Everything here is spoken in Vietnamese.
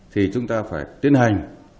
thì chúng ta phải tiến hành